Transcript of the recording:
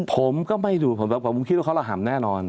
ผมก็ไม่ดูดผมแบบผมคิดว่าเขาระห่ำแน่นอน